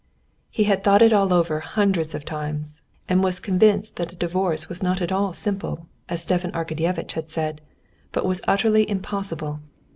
He had thought it all over hundreds of times, and was convinced that a divorce was not at all simple, as Stepan Arkadyevitch had said, but was utterly impossible.